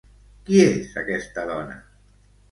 Qui és aquesta dona?